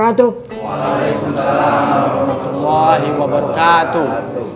waalaikumsalam warahmatullahi wabarakatuh